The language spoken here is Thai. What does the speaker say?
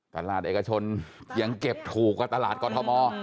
ตลาดเอกชนยังเก็บถูกกว่าตลาดกรทม